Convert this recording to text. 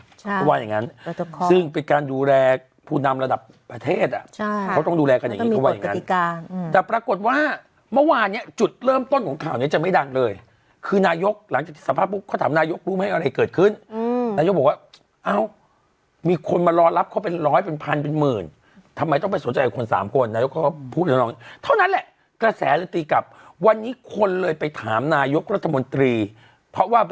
เพราะว่าอย่างงั้นซึ่งเป็นการดูแลผู้นำระดับประเทศอ่ะเขาต้องดูแลกันอย่างงี้เพราะว่าอย่างงั้นแต่ปรากฏว่าเมื่อวานเนี้ยจุดเริ่มต้นของข่าวเนี้ยจะไม่ดังเลยคือนายกหลังจากทศพพุทธเขาถามนายกรู้ไหมอะไรเกิดขึ้นอืมนายกบอกว่าเอามีคนมารอรับเขาเป็นร้อยเป็นพันเป็นหมื่นทำไมต้องไปสนใจกับคนสามคนนายกเข